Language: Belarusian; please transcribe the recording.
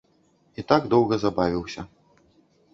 І так доўга забавіўся.